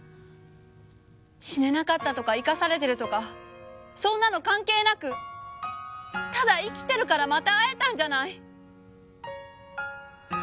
死ねなかったとか生かされてるとかそんなの関係なくただ生きてるからまた会えたんじゃない！